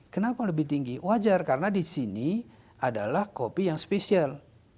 kenapa lebih tinggi wajar karena di sini adalah kopi yang spesial